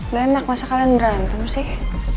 gak enak masa kalian berantem sih